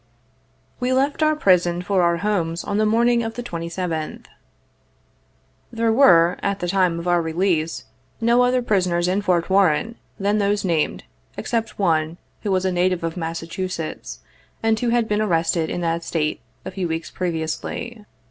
We left our prison for our homes on the morning of the 27th. There were, at the time of our release, no other prisoners in Fort Warren than those named, except one, who was a native of Massachusetts, and who had been arrested in that State, a few weeks previously.